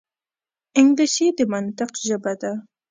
انګلیسي د منطق ژبه ده